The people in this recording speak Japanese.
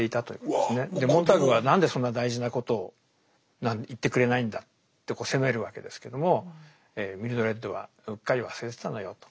モンターグは何でそんな大事なことを言ってくれないんだって責めるわけですけどもミルドレッドはうっかり忘れてたのよと。